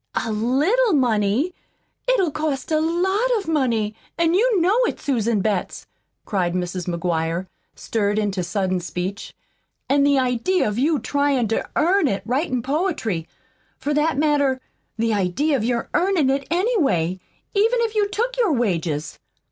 '"A little money'! It'll cost a lot of money, an' you know it, Susan Betts," cried Mrs. McGuire, stirred into sudden speech. "An' the idea of you tryin' to EARN it writin' poetry. For that matter, the idea of your earnin' it, anyway, even if you took your wages."